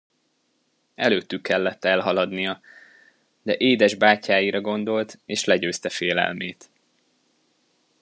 Előttük kellett elhaladnia; de édes bátyáira gondolt, és legyőzte félelmét.